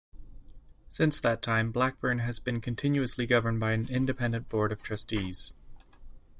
Since that time, Blackburn has been continuously governed by an independent Board of Trustees.